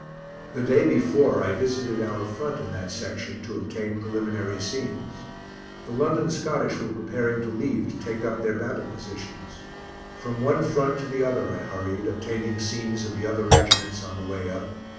The day before I visited our front in that section to obtain preliminary scenes. The London Scottish were preparing to leave to take up their battle positions. From one front to the other I hurried, obtaining scenes of the other regiments on the way up.